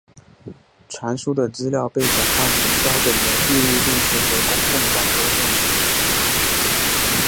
传输的资料被转换成标准的闭路电视和公共广播电视的讯号。